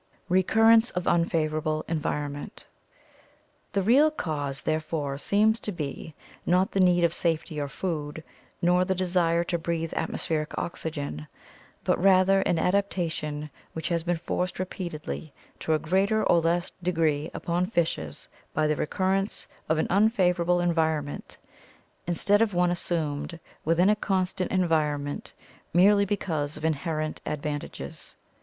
Recurrence of Unfavorable Environment. — The real cause, therefore, seems to be not the need of safety or food, nor the desire to breathe atmospheric oxygen, but rather an adaptation which has been forced repeatedly to a greater or less degree upon fishes by the EMERGENCE OF TERRESTRIAL VERTEBRATES 479 recurrence of an unfavorable environment, instead of one assumed within a constant environment merely because of inherent advan tages.